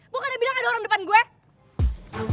gue kan udah bilang ada orang depan gue